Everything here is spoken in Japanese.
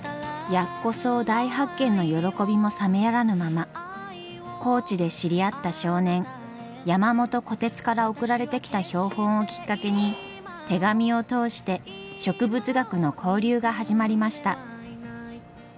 ヤッコソウ大発見の喜びも冷めやらぬまま高知で知り合った少年山元虎鉄から送られてきた標本をきっかけに手紙を通して植物学の交流が始まりました。